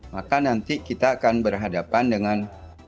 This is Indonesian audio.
maka nanti kita akan berhadapan dengan